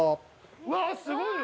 うわっすごいよ。